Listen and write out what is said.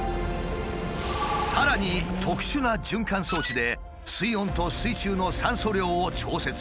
さらに特殊な循環装置で水温と水中の酸素量を調節する。